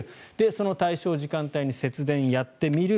その対象時間帯に節電をやってみる。